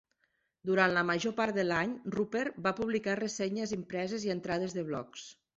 Durant la major part de l'any, Roeper va publicar ressenyes impreses i entrades de blogs.